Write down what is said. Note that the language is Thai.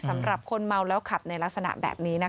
สำหรับคนเมาแล้วขับในลักษณะแบบนี้นะคะ